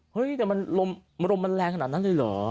เฮ้ยแต่มันลมมันแรงขนาดนั้นเลยเหรอ